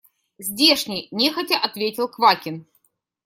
Здешний, – нехотя ответил Квакин.